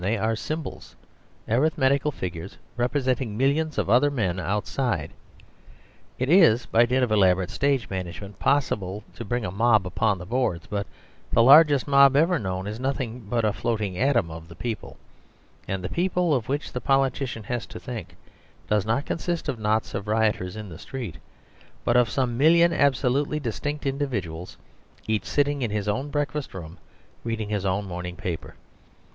They are symbols, arithmetical figures representing millions of other men outside. It is, by dint of elaborate stage management, possible to bring a mob upon the boards, but the largest mob ever known is nothing but a floating atom of the people; and the people of which the politician has to think does not consist of knots of rioters in the street, but of some million absolutely distinct individuals, each sitting in his own breakfast room reading his own morning paper.